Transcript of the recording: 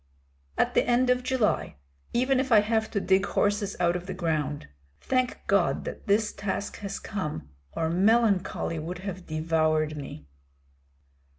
"At the end of July, even if I have to dig horses out of the ground. Thank God that this task has come, or melancholy would have devoured me."